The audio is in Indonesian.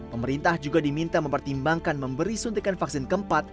pemerintah juga diminta mempertimbangkan memberi suntikan vaksin keempat